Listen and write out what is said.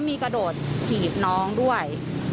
มีกระโดดถีบน้องด้วย